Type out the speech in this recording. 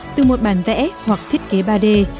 từ một bàn vẽ hoặc thiết kế ba d